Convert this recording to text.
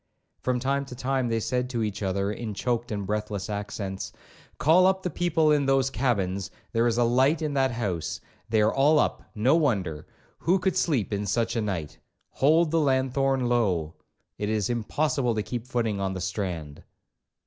From time to time they said to each other, in choaked and breathless accents, 'Call up the people in those cabins—there is a light in that house—they are all up—no wonder—who could sleep in such a night—hold the lanthorn low—it is impossible to keep footing on the strand.'